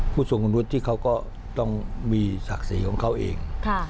ผู้สูงลุดที่เขาก็ต้องมีศักดิ์สี่ของเขาเอง